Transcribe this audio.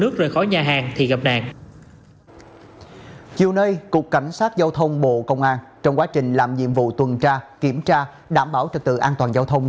chiều nay cục cảnh sát giao thông bộ công an trong quá trình làm nhiệm vụ tuần tra kiểm tra đảm bảo trật tự an toàn giao thông